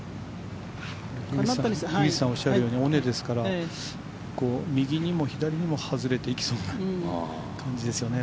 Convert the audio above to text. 樋口さんがおっしゃるとおり尾根ですから、右にも左にも外れていきそうな感じですよね。